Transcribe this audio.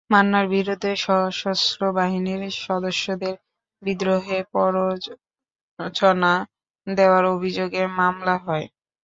মান্নার বিরুদ্ধে সশস্ত্র বাহিনীর সদস্যদের বিদ্রোহে প্ররোচনা দেওয়ার অভিযোগে মামলা হয়।